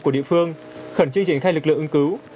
của địa phương khẩn truyền khai lực lượng ương cứu